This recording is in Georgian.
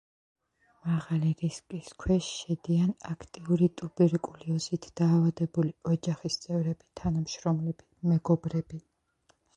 მაღალი რისკის ქვეშ შედიან აქტიური ტუბერკულოზით დაავადებული ოჯახის წევრები, თანამშრომლები, მეგობრები.